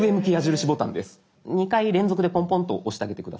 ２回連続でポンポンと押してあげて下さい。